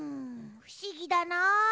ふしぎだな。